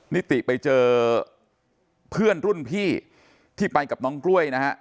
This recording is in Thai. นิติไปเจอเพื่อนรุ่นพี่ที่ไปกับน้องกล้วยนะฮะ